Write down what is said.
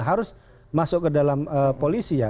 harus masuk ke dalam polisi ya